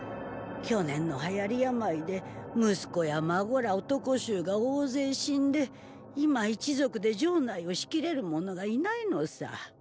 去年の流行り病で息子や孫ら男衆が大勢死んで今一族で城内を仕切れる者がいないのさ。